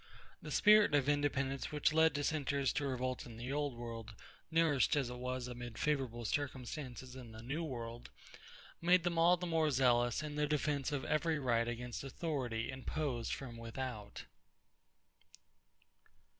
The spirit of independence which led Dissenters to revolt in the Old World, nourished as it was amid favorable circumstances in the New World, made them all the more zealous in the defense of every right against authority imposed from without.